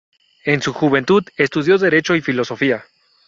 En su juventud estudió Derecho y Filosofía.